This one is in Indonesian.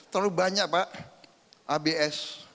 terlalu banyak pak abs